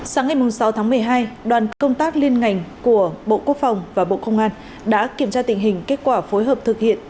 sáng ngày sáu tháng một mươi hai đoàn công tác liên ngành của bộ quốc phòng và bộ công an đã kiểm tra tình hình kết quả phối hợp thực hiện